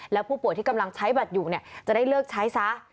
และผู้ป่วยที่กำลังใช้บัตรอยู่จะได้เลิกใช้ซะ